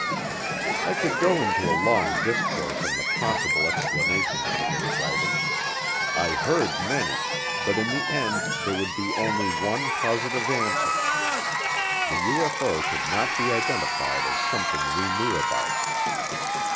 I could go into a long discourse on the possible explanations for this sighting; I heard many, but in the end there would be only one positive answer the UFO could not be identified as something we knew about.